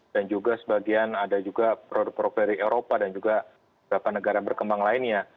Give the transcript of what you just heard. dan juga sebagian ada juga produk produk dari eropa dan juga beberapa negara berkembang lainnya